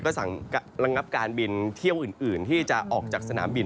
ก็สั่งระงับการบินเที่ยวอื่นที่จะออกจากสนามบิน